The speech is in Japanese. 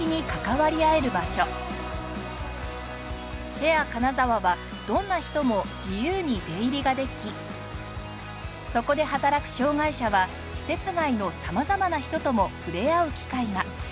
Ｓｈａｒｅ金沢はどんな人も自由に出入りができそこで働く障がい者は施設外の様々な人ともふれあう機会が。